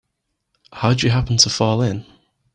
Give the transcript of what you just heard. How'd you happen to fall in?